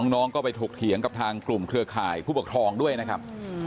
น้องก็ไปถกเถียงกับทางกลุ่มเครือข่ายผู้ปกครองด้วยนะครับ